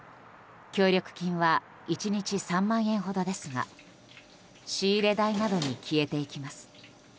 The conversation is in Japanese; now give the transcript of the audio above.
協力金は１日３万円ほどですが仕入れ代などに消えていきます。